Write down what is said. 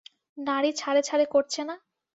নাড়ী ছাড়ে-ছাড়ে করছে না?